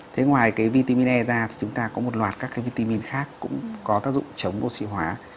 thế ngoài cái vitamine ra thì chúng ta có một loạt các cái vitamin khác cũng có tác dụng chống oxy hóa